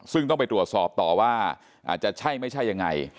ซึ่งต้องไปตรวจสอบต่อว่าอาจจะใช่ไม่ใช่ยังไง